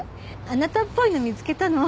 あなたっぽいの見つけたの。